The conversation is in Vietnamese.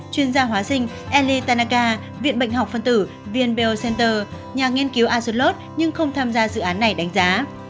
chuyên gia hóa sinh ellie tanaka viện bệnh học phân tử viện bayer center nhà nghiên cứu axolotl nhưng không tham gia dự án này đánh giá